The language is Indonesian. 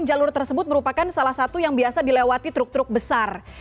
jalur tersebut merupakan salah satu yang biasa dilewati truk truk besar